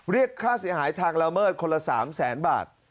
เรียกค่าเสียหายทางละเมิดคนละ๓แสนบาท